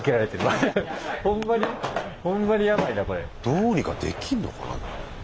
どうにかできんのかな。